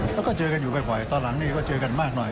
แล้วก็เจอกันอยู่บ่อยตอนหลังนี่ก็เจอกันมากหน่อย